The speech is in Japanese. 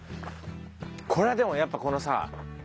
これはでもやっぱこのさ